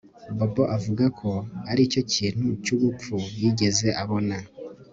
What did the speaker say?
Bobo avuga ko aricyo kintu cyubupfu yigeze abona